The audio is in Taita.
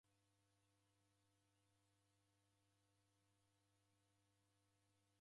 W'aw'ae w'ose w'efwa w'ikilwa w'uda.